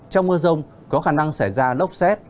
trong mưa rông có khả năng xảy ra lốc xét